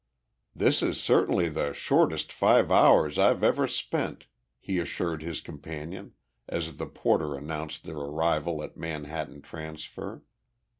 "This is certainly the shortest five hours I've ever spent," he assured his companion as the porter announced their arrival at Manhattan Transfer.